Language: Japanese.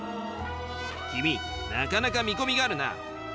君なかなか見込みがあるな。